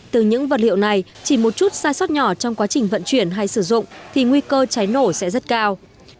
từ những vật liệu này chỉ một chút sai sót nhỏ trong quá trình vận chuyển hay sử dụng thì nguy cơ cháy nổ sẽ rất cao